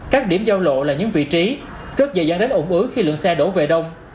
các điểm giao lộ là những vị trí rất dễ dàng đến ủng ứ khi lượng xe đổ về đông